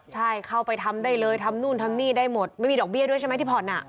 ใช่เข้าไปทำได้เลยทำนู่นทำนี่ได้หมดไม่มีดอกเบี้ยด้วยใช่ไหมที่ผ่อนอ่ะ